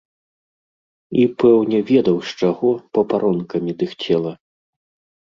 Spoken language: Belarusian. І, пэўне, ведаў з чаго, бо паронкамі дыхцела.